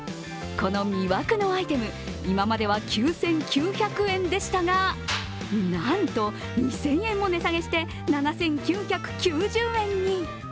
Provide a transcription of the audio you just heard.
この魅惑のアイテム、今までは９９００円でしたが、なんと、２０００円も値下げして７９９０円に。